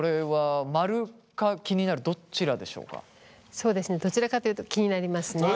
そうですねどちらかというと気になりますね。